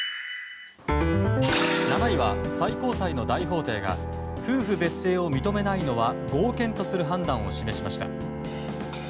７位は最高裁の大法廷が夫婦別姓を認めないのは合憲とする判断を示しました。